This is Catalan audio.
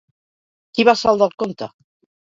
Qui va saldar el compte?